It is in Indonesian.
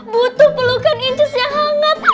butuh pelukan incis yang hangat